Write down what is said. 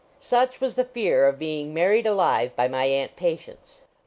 Such was the fear of being married alive by my Aunt Patience.